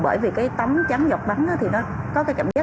bởi vì cái tấm trắng giọt bắn thì nó có cái cảm giác